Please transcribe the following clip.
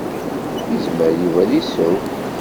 Yezmer Yuba ad iseww.